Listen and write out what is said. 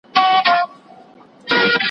چي په برخه به د هر سړي قدرت سو